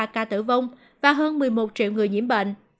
bảy mươi ba ca tử vong và hơn một mươi một triệu người nhiễm bệnh